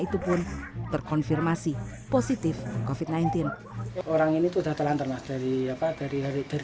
itupun terkonfirmasi positif kofit sembilan belas orang ini sudah telanjang dari apa dari hari dari